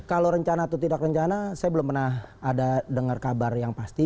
kalau rencana atau tidak rencana saya belum pernah ada dengar kabar yang pasti